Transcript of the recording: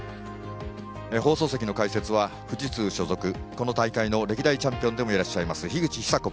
放送席、解説はこの大会の歴代のチャンピオンでもいらっしゃいます樋口久子